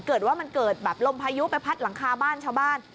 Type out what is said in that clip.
เกิดว่ามันเกิดแบบลมพายุไปพัดหลังคาบ้านชาวบ้าน